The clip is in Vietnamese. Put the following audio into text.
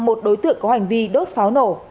một đối tượng có hành vi đốt pháo nổ